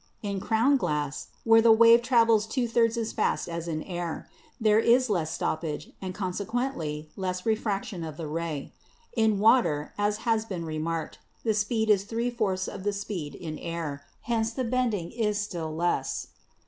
In crown glass, where the wave travels two thirds as fast as in air, there is less stoppage and con sequently less refraction of the ray. In water, as has been remarked, the speed is three fourths of the speed in air, hence the bending is still less.